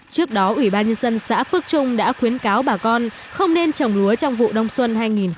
trước đó ủy ban dân xã phước trung đã khuyến cáo bà con không nên trồng lúa trong vụ đông xuân hai nghìn một mươi chín